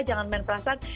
jangan main perasaan